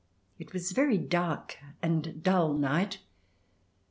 It was a very dark and dull night.